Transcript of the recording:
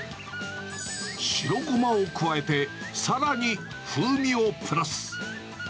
白ごまを加えてさらに風味をプラス。